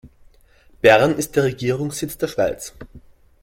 Bern ist der Regierungssitz der Schweiz.